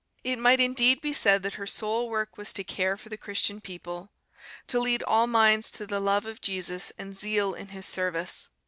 It might indeed be said that her sole work was to care for the Christian people, to lead all minds to the love of Jesus and zeal in His service.